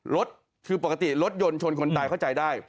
รถคือปกติรถยนต์ชนคนตายเข้าใจได้